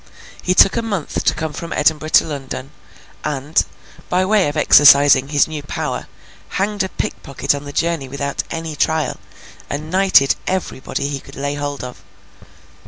He took a month to come from Edinburgh to London; and, by way of exercising his new power, hanged a pickpocket on the journey without any trial, and knighted everybody he could lay hold of.